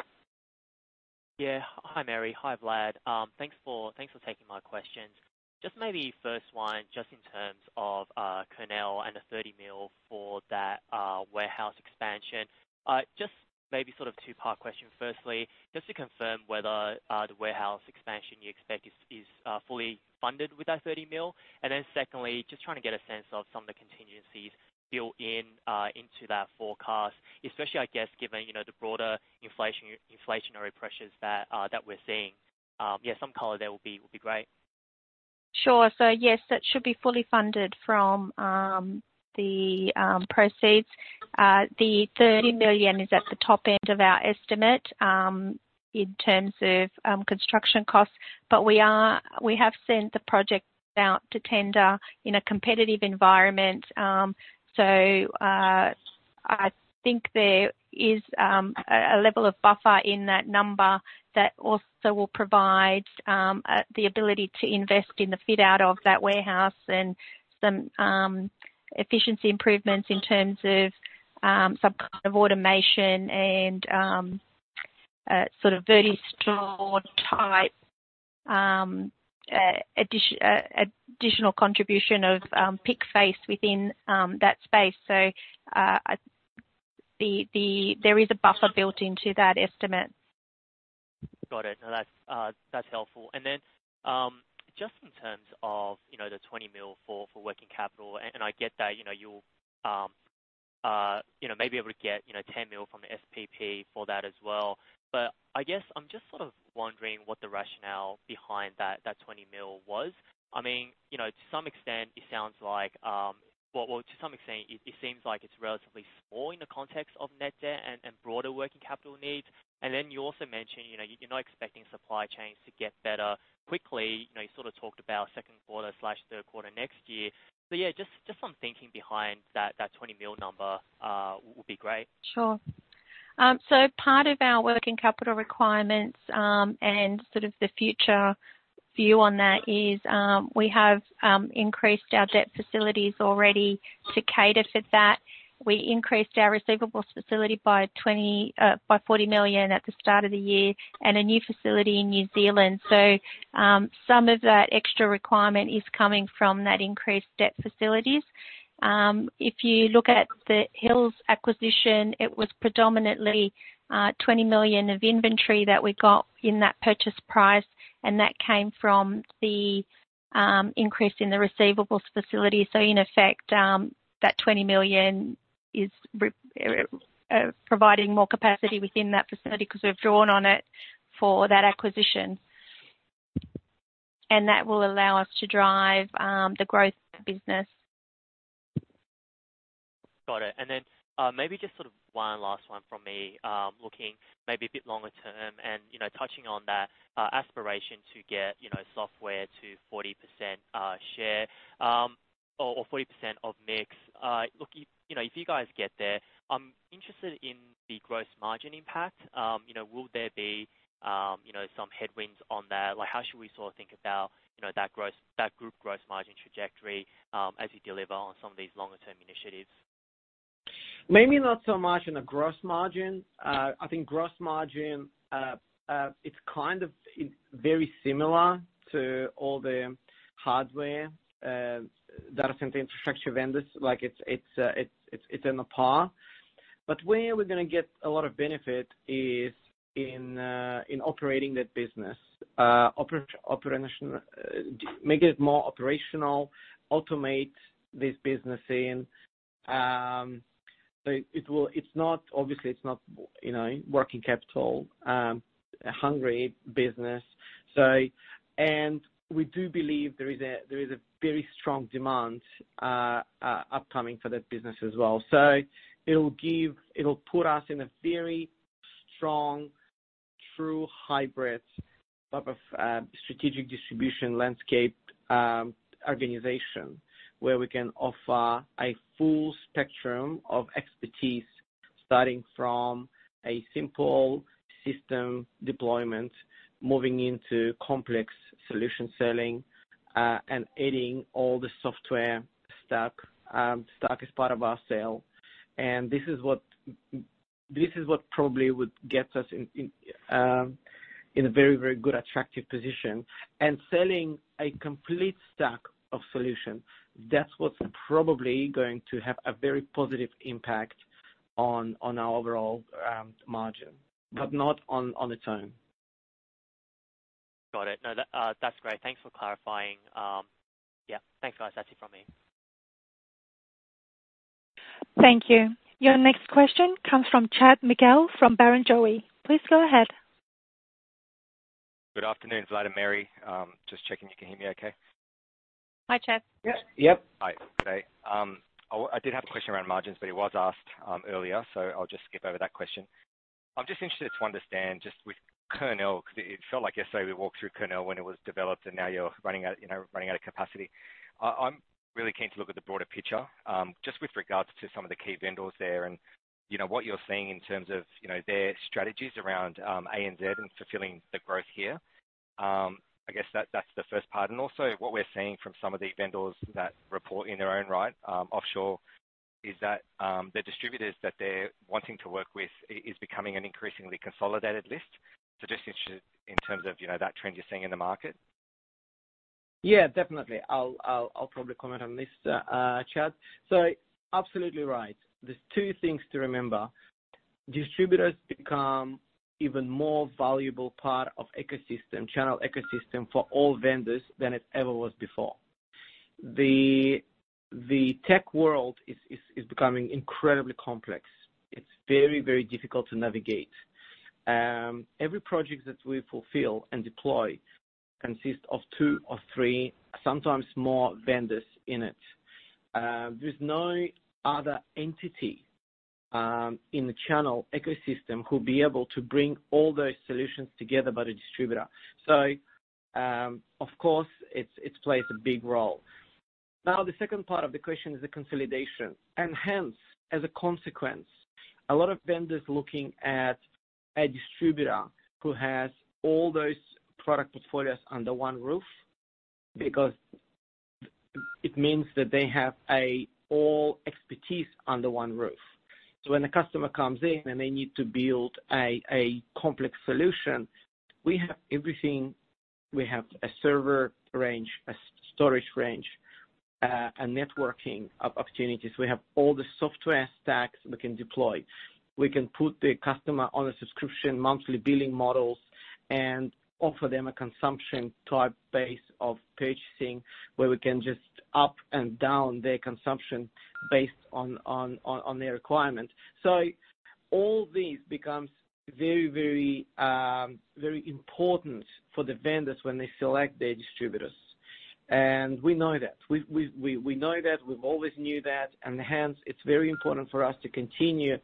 Yeah. Hi, Mary. Hi, Vlad. Thanks for taking my questions. Just maybe first one, just in terms of Kurnell and the 30 million for that warehouse expansion. Just maybe sort of two-part question. Firstly, just to confirm whether the warehouse expansion you expect is fully funded with that 30 million. And then secondly, just trying to get a sense of some of the contingencies built into that forecast, especially, I guess, given, you know, the broader inflationary pressures that we're seeing. Yeah, some color there will be great. Sure. Yes, that should be fully funded from the proceeds. The 30 million is at the top end of our estimate in terms of construction costs. We have sent the project out to tender in a competitive environment. I think there is a level of buffer in that number that also will provide the ability to invest in the fit out of that warehouse and some efficiency improvements in terms of some kind of automation and sort of very store-type additional contribution of pick face within that space. There is a buffer built into that estimate. Got it. No, that's helpful. Just in terms of, you know, the 20 million for working capital, and I get that, you know, you'll maybe able to get, you know, 10 million from the SPP for that as well. I guess I'm just sort of wondering what the rationale behind that 20 million was. I mean, you know, to some extent it sounds like, well, to some extent it seems like it's relatively small in the context of net debt and broader working capital needs. You also mentioned, you know, you're not expecting supply chains to get better quickly. You know, you sort of talked about second quarter/third quarter next year. Yeah, just some thinking behind that 20 million number would be great. Sure. Part of our working capital requirements, and sort of the future view on that is, we have increased our debt facilities already to cater for that. We increased our receivables facility by 40 million at the start of the year and a new facility in New Zealand. Some of that extra requirement is coming from that increased debt facilities. If you look at the Hills acquisition, it was predominantly 20 million of inventory that we got in that purchase price, and that came from the increase in the receivables facility. In effect, that 20 million is providing more capacity within that facility 'cause we've drawn on it for that acquisition. That will allow us to drive the growth of the business. Got it. Maybe just sort of one last one from me, looking maybe a bit longer term and, you know, touching on that aspiration to get, you know, software to 40% share, or 40% of mix. Look, you know, if you guys get there, I'm interested in the gross margin impact. You know, will there be, you know, some headwinds on that? Like, how should we sort of think about, you know, the group's gross margin trajectory, as you deliver on some of these longer term initiatives? Maybe not so much in the gross margin. I think gross margin, it's kind of very similar to all the hardware data center infrastructure vendors. Like it's on par. Where we're gonna get a lot of benefit is in operating that business, operation, making it more operational, automate this business. It's not, obviously, you know, working capital hungry business. We do believe there is a very strong demand upcoming for that business as well. It'll put us in a very strong, true hybrid type of strategic distribution landscape organization where we can offer a full spectrum of expertise starting from a simple system deployment, moving into complex solution selling, and adding all the software stack as part of our sale. This is what probably would get us in a very, very good attractive position. Selling a complete stack of solution, that's what's probably going to have a very positive impact on our overall margin, but not on its own. Got it. No, that's great. Thanks for clarifying. Yeah, thanks, guys. That's it from me. Thank you. Your next question comes from Chad Miguel from Barrenjoey. Please go ahead. Good afternoon, Vlad and Mary. Just checking you can hear me okay. Hi, Chad. Yep. Yep. Hi. Okay. I did have a question around margins, but it was asked earlier, so I'll just skip over that question. I'm just interested to understand just with Kurnell, 'cause it felt like yesterday we walked through Kurnell when it was developed, and now you're running out of capacity. I'm really keen to look at the broader picture, just with regards to some of the key vendors there and what you're seeing in terms of their strategies around ANZ and fulfilling the growth here. I guess that's the first part. Also what we're seeing from some of the vendors that report in their own right offshore is that the distributors that they're wanting to work with is becoming an increasingly consolidated list. Just interested in terms of, you know, that trend you're seeing in the market. Yeah, definitely. I'll probably comment on this, Chad. So absolutely right. There's two things to remember. Distributors become even more valuable part of ecosystem, channel ecosystem for all vendors than it ever was before. The tech world is becoming incredibly complex. It's very difficult to navigate. Every project that we fulfill and deploy consists of two or three, sometimes more vendors in it. There's no other entity in the channel ecosystem who'll be able to bring all those solutions together but a distributor. So, of course it's, it plays a big role. Now, the second part of the question is the consolidation. Hence, as a consequence, a lot of vendors looking at a distributor who has all those product portfolios under one roof because it means that they have all expertise under one roof. When a customer comes in and they need to build a complex solution, we have everything. We have a server range, a storage range, a networking opportunities. We have all the software stacks we can deploy. We can put the customer on a subscription monthly billing models and offer them a consumption type base of purchasing where we can just up and down their consumption based on their requirements. All these becomes very important for the vendors when they select their distributors. We know that. We know that. We've always knew that. Hence, it's very important for us to continue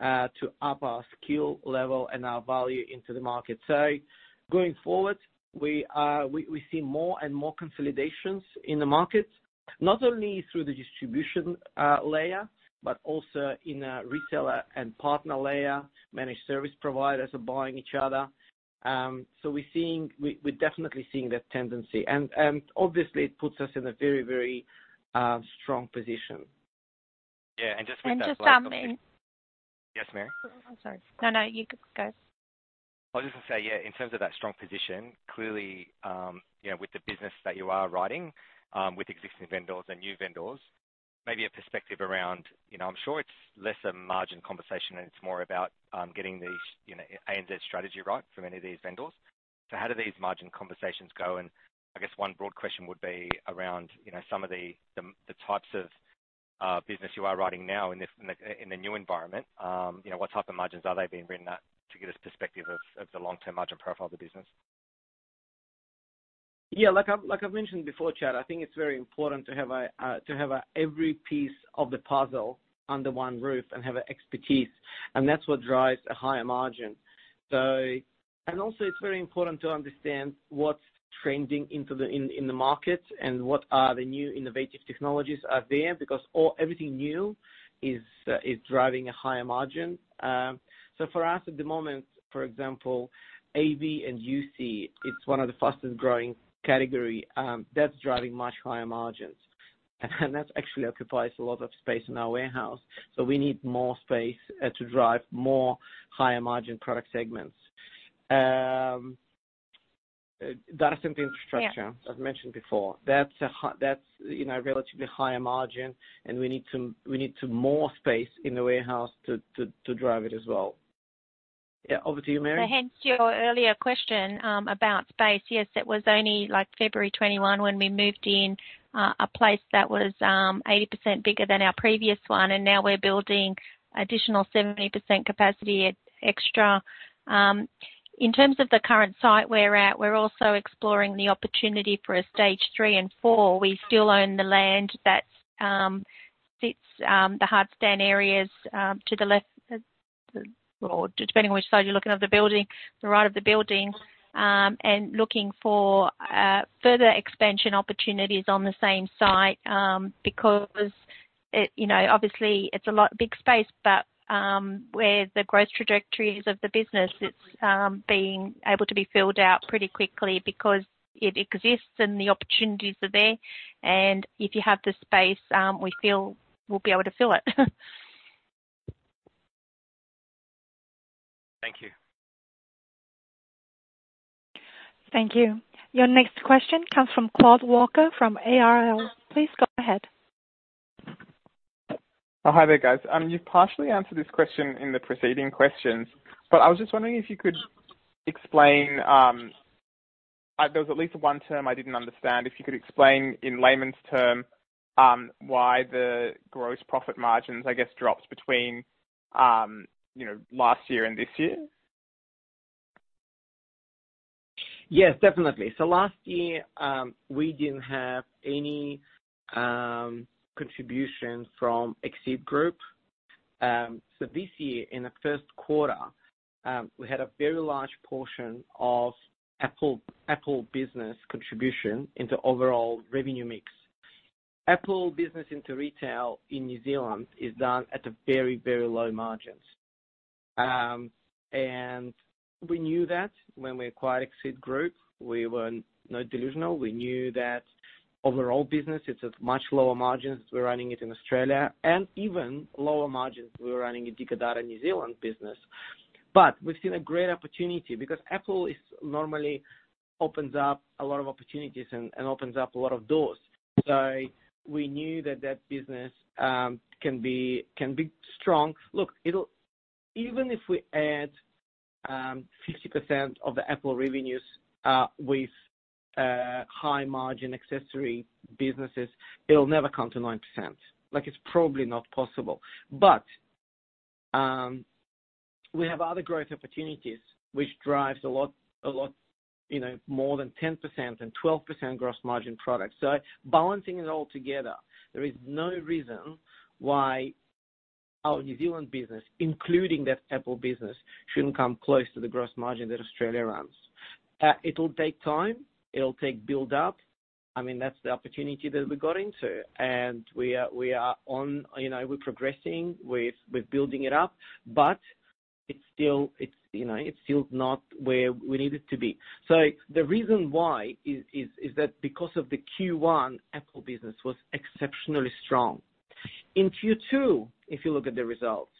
to up our skill level and our value into the market. Going forward, we see more and more consolidations in the market, not only through the distribution layer, but also in the reseller and partner layer. Managed service providers are buying each other. We're definitely seeing that tendency. Obviously it puts us in a very strong position. Yeah. Just with that. And just, um- Yes, Mary? Oh, I'm sorry. No, no, you go. I was just gonna say, yeah, in terms of that strong position, clearly, you know, with the business that you are riding with existing vendors and new vendors, maybe a perspective around, you know, I'm sure it's less a margin conversation and it's more about getting the you know, ANZ strategy right from any of these vendors. How do these margin conversations go? I guess one broad question would be around, you know, some of the types of business you are riding now in the new environment. You know, what type of margins are they being ridden at to give us perspective of the long-term margin profile of the business? Yeah. Like I've mentioned before, Chad, I think it's very important to have every piece of the puzzle under one roof and have expertise, and that's what drives a higher margin. It's very important to understand what's trending in the market and what the new innovative technologies are there because everything new is driving a higher margin. For us at the moment, for example, AV and UC, it's one of the fastest growing category that's driving much higher margins. That actually occupies a lot of space in our warehouse. We need more space to drive more higher margin product segments. Data center infrastructure. Yeah. As mentioned before. That's a high, you know, relatively higher margin, and we need more space in the warehouse to drive it as well. Yeah. Over to you, Mary. Hence your earlier question about space. Yes, it was only like February 2021 when we moved in a place that was 80% bigger than our previous one, and now we're building additional 70% capacity extra. In terms of the current site we're at, we're also exploring the opportunity for a stage three and four. We still own the land that sits the hardstand areas to the left or depending on which side you're looking at the building, the right of the building, and looking for further expansion opportunities on the same site, because it, you know, obviously it's a lot big space, but with the growth trajectories of the business, it's being able to be filled out pretty quickly because it exists and the opportunities are there. If you have the space, we feel we'll be able to fill it. Thank you. Thank you. Your next question comes from Claude Walker from ARL. Please go ahead. Oh, hi there guys. You've partially answered this question in the preceding questions, but I was just wondering if you could explain, there was at least one term I didn't understand. If you could explain in layman's terms why the gross profit margins, I guess, dropped between, you know, last year and this year. Yes, definitely. Last year, we didn't have any contribution from Exeed Group. This year in the first quarter, we had a very large portion of Apple business contribution into overall revenue mix. Apple business into retail in New Zealand is done at a very, very low margins. We knew that when we acquired Exeed Group, we were not delusional. We knew that overall business, it's at much lower margins we're running it in Australia, and even lower margins we're running in Dicker Data New Zealand business. We've seen a great opportunity because Apple is normally opens up a lot of opportunities and opens up a lot of doors. We knew that that business can be strong. Look, it'll. Even if we add 50% of the Apple revenues with high-margin accessory businesses, it'll never come to 9%. Like, it's probably not possible. We have other growth opportunities which drives a lot, you know, more than 10% and 12% gross margin products. Balancing it all together, there is no reason why our New Zealand business, including that Apple business, shouldn't come close to the gross margin that Australia runs. It'll take time. It'll take build-up. I mean, that's the opportunity that we got into. We are on, you know, we're progressing with building it up, but it's still, you know, it's still not where we need it to be. The reason why is that because of the Q1 Apple business was exceptionally strong. In Q2, if you look at the results,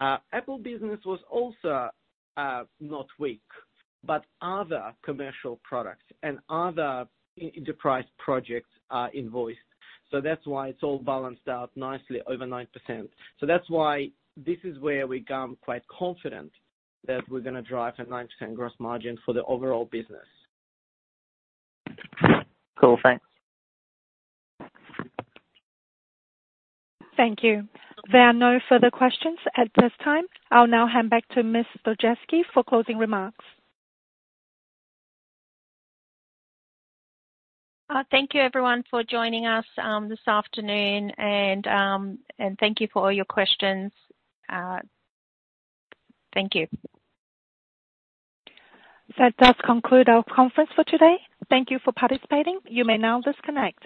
Apple business was also not weak, but other commercial products and other enterprise projects are invoiced. That's why it's all balanced out nicely over 9%. That's why this is where we come quite confident that we're gonna drive to 9% gross margin for the overall business. Cool. Thanks. Thank you. There are no further questions at this time. I'll now hand back to Ms. Stojcevski for closing remarks. Thank you everyone for joining us this afternoon and thank you for all your questions. Thank you. That does conclude our conference for today. Thank you for participating. You may now disconnect.